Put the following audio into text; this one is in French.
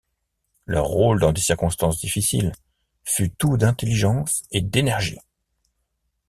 Leur rôle, dans des circonstances difficiles, fut tout d'intelligence et d'énergie.